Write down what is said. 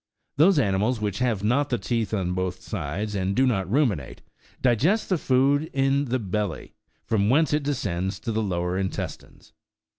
Those animals which have not the teeth on both sides, and do not ruminate, digest the food in the belly, from whence it descends to the lower intestines.